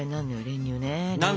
練乳ね。